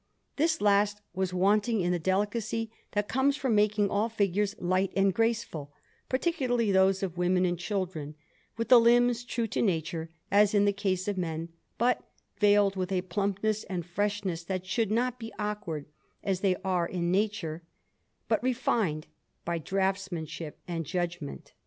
This last was wanting in the delicacy that comes from making all figures light and graceful, particularly those of women and children, with the limbs true to nature, as in the case of men, but veiled with a plumpness and fleshiness that should not be awkward, as they are in nature, but refined by draughtsmanship and judgment.